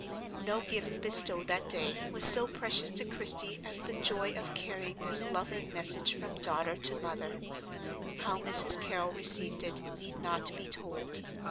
No gift bestowed that day was so precious to Christie as the joy of carrying this loving message from daughter to mother. How Mrs. Carrol received it need not be told.